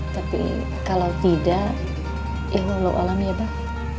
tapi kalau tidak ya luluk alam ya bak